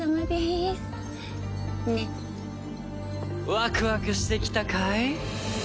ワクワクしてきたかい？